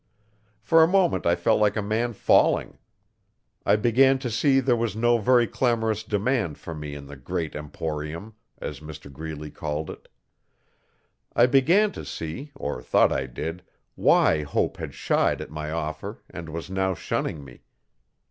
For a moment I felt like a man falling. I began to see there was no very clamourous demand for me in 'the great emporium', as Mr Greeley called it. I began to see, or thought I did, why Hope had shied at my offer and was now shunning me.